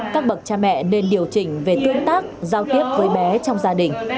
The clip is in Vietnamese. các bậc cha mẹ nên điều chỉnh về tương tác giao tiếp với bé trong gia đình